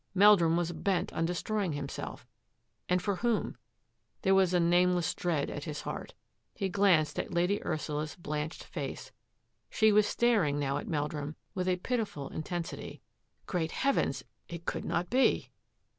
Meldrum was bent on destroying himself — and for whom? There was a nameless dread at his heart. He glanced at Lady Ursula's blanched face. She was staring now at Meldrum with a pitiful inten sity. Great Heavens! it could not be.